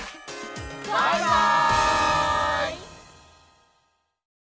バイバイ！